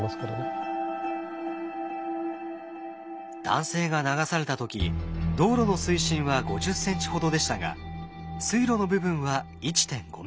男性が流された時道路の水深は５０ｃｍほどでしたが水路の部分は１．５ｍ。